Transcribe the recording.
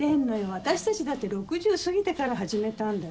私達だって６０過ぎてから始めたんだよ。